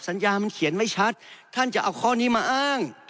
สัญญามันเขียนไม่ชัดท่านจะเอาข้อนี้มาอ้าง